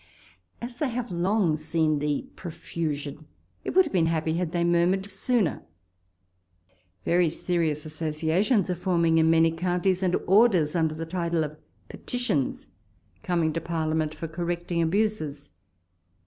As they have long seen the profusion, it would have been happy had they murmured sooner. Very serious associations are forming in many counties : and orders, under the title of peti tions, coming to Parliament for correcting abuses.